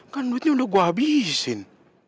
kan duitnya udah gue habisin